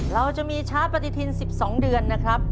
เราจะมีชาร์จปฏิทิน๑๒เดือนนะครับ